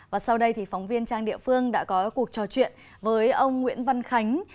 và sau đây thì phóng viên trang địa phương đã có cuộc trò chuyện với ông nguyễn văn khánh